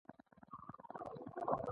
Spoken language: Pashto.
کور پاک ساتئ